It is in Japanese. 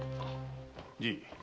じい。